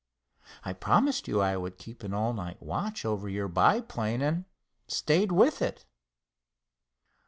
I promised you I would keep an all night watch over your biplane, and stayed with it."